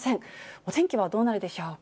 お天気はどうなるでしょうか。